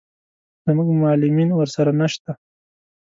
زموږ معلمین ورسره نه شته.